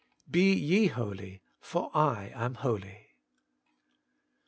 BE YE HOLY, FOR I AM HOLY.